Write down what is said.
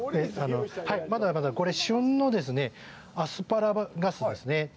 はい、まだまだ、これ、旬のアスパラガスですね。